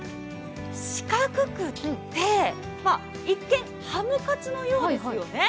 四角くて、一見、ハムカツのようですよね。